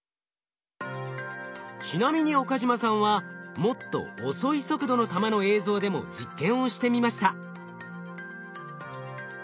ちなみに岡嶋さんはもっと遅い速度の球の映像でも実験をしてみました。